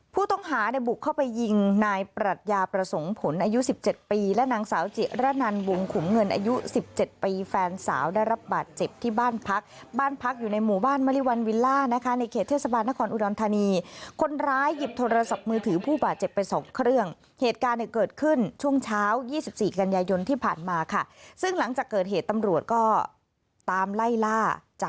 ผู้ต้องหาเนี่ยบุกเข้าไปยิงนายปรัชญาประสงค์ผลอายุ๑๗ปีและนางสาวจิระนันวงขุมเงินอายุสิบเจ็ดปีแฟนสาวได้รับบาดเจ็บที่บ้านพักบ้านพักอยู่ในหมู่บ้านมริวัลวิลล่านะคะในเขตเทศบาลนครอุดรธานีคนร้ายหยิบโทรศัพท์มือถือผู้บาดเจ็บไปสองเครื่องเหตุการณ์เนี่ยเกิดขึ้นช่วงเช้า๒๔กันยายนที่ผ่านมาค่ะซึ่งหลังจากเกิดเหตุตำรวจก็ตามไล่ล่าจ